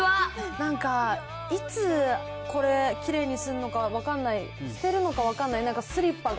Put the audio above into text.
なんか、いつ、これ、きれいにすんのか分かんない、捨てるのか分かんない、なんかスリッパが。